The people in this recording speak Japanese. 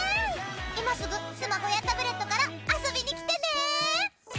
今すぐスマホやタブレットから遊びに来てね。